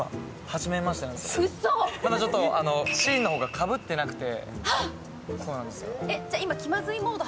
ちょっとシーンの方がかぶってなくて。